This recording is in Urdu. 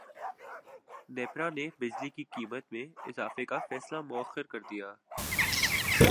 نیپرا نے بجلی کی قیمت میں اضافے کا فیصلہ موخر کردیا